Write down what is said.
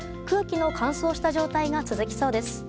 空気の乾燥した状態が続きそうです。